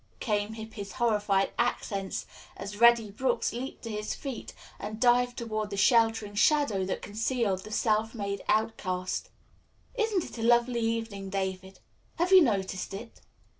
came Hippy's horrified accents, as Reddy Brooks leaped to his feet and dived toward the sheltering shadow that concealed the self made outcast. "Isn't it a lovely evening, David? Have you noticed it?"